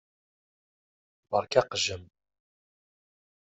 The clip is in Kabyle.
Beṛka aqejjem.